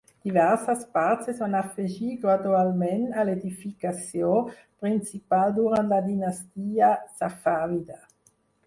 Diverses parts es van afegir gradualment a l'edificació principal durant la dinastia safàvida.